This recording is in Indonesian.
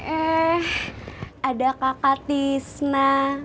eh ada kakak tisna